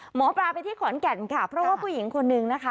หมอปลาไปที่ขอนแก่นค่ะเพราะว่าผู้หญิงคนนึงนะคะ